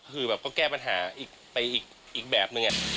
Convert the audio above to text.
คือแบบก็แก้ปัญหาไปอีกแบบนึง